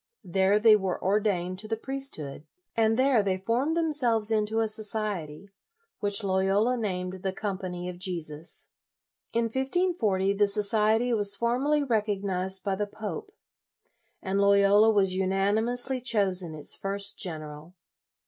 There they were ordained to the priesthood. And there they formed themselves into a society, which Loyola named the Com pany of Jesus. In 1540, the society was formally recognized by the pope, and Loyola was unanimously chosen its first general.